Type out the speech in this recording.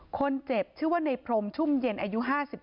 คนเจ็บชื่อว่าในพรมชุ่มเย็นอายุ๕๓